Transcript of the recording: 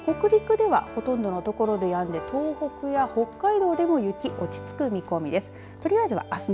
北陸ではほとんどの所でやんで東北や北海道でも雪、落ち着く見込みです。